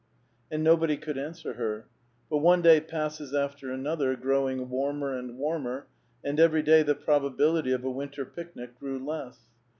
449 And nobody could answer her ; but one day passes after another, growing warmer and warmer, and every day the probability of a winter picnic grew less.